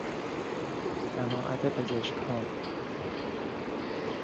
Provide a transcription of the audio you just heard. جماعت پزشکها